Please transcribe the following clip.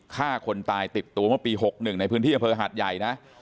ฆ่าคนตายติดตัวเมื่อปี๖๑ในพื้นที่อำเภอหาดใหญ่นะ